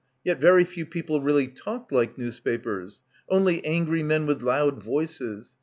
Yet very few people really talked like newspapers. Only angry men with loud voices.